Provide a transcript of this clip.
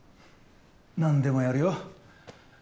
何でもやるよ。